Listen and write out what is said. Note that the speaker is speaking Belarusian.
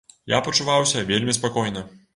Я пачуваўся вельмі спакойна.